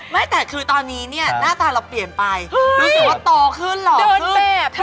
ไม่แต่คือตอนนี้เนี่ยหน้าตาเราเปลี่ยนไปรู้สึกว่าโตขึ้นหรอก